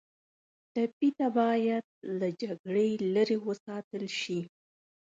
ټپي ته باید له جګړې لرې وساتل شي.